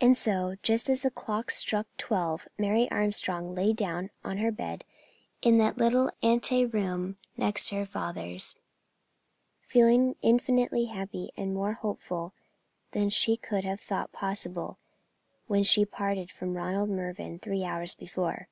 And so, just as the clock struck twelve, Mary Armstrong lay down on her bed in the little ante room next to her father's, feeling infinitely happier and more hopeful than she could have thought possible when she parted from Ronald Mervyn three hours before.